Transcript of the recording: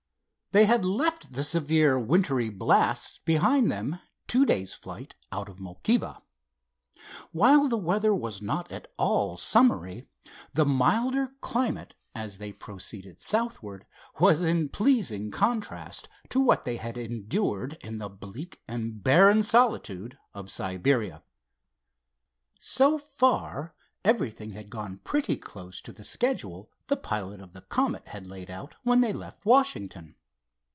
They had left the severe wintry blasts behind them two days flight out of Mokiva. While the weather was not at all summery, the milder climate as they proceeded southward was in pleasing contrast to what they had endured in the bleak and barren solitude of Siberia. So far everything had gone pretty close to the schedule the pilot of the Comet had laid out when they left Washington.